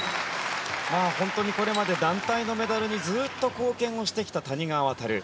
本当にこれまで団体のメダルにずっと貢献をしてきた谷川航。